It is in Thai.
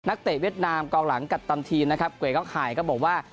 นักเตะเวียดนามกองหลังกับทันทีนนะครับเกวะยเกาะหายก็บอกว่า